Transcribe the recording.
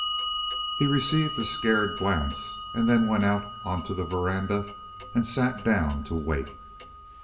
He received a scared glance, and then went out onto the veranda and sat down to wait.